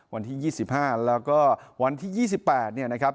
วันที่๒๕แล้วก็วันที่๒๘เนี่ยนะครับ